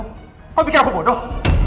kamu pikir aku bodoh